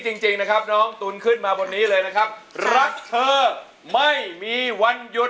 ตาเป็นเพลงน้ำเพิ่มทางก็พูดมาบนนี้เลยนะครับรักเธอไม่มีวันหยุด